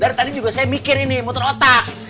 dari tadi juga saya mikir ini muter otak